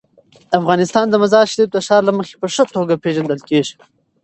افغانستان د مزارشریف د ښار له مخې په ښه توګه پېژندل کېږي.